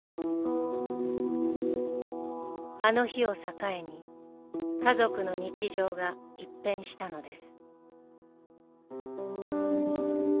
あの日を境に家族の日常が一変したのです。